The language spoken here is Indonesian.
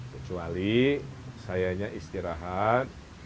kecuali saya istirahat